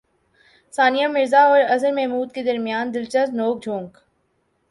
ثانیہ مرزا اور اظہر محمود کے درمیان دلچسپ نوک جھونک